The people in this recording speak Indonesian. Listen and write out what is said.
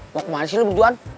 waktu mana sih lo berduaan